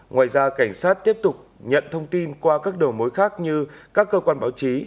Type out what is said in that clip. ngoài ra cảnh sát tiếp tục nhận thông tin qua các đầu mối khác như các cơ quan báo chí